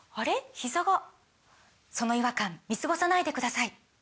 ひざがその違和感見過ごさないでください